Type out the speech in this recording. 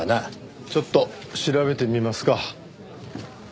ちょっと調べてみますか。